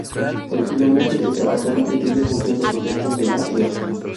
Originalmente estaba sola y tenía función de protección de la ciudad.